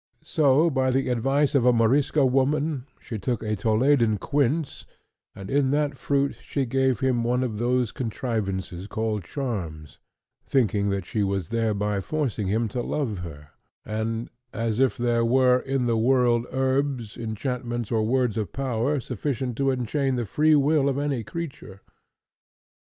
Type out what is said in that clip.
So, by the advice of a Morisca woman, she took a Toledan quince, and in that fruit she gave him one of those contrivances called charms, thinking that she was thereby forcing him to love her; as if there were, in this world, herbs, enchantments, or words of power, sufficient to enchain the free will of any creature.